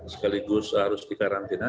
sekaligus harus dikarantina